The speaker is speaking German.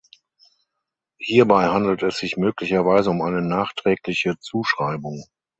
Hierbei handelt es sich möglicherweise um eine nachträgliche Zuschreibung.